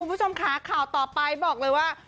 คุณผู้ชมค่ะข่าวต่อไปบอกเลยว่า